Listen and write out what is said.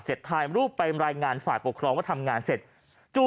เสร็จถ่ายรูปไปรายงานฝาดปกครองว่าทำงานเสร็จ